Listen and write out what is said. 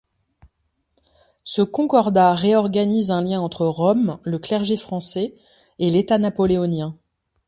Ce concordat réorganise un lien entre Rome, le clergé français et l'État napoléonien.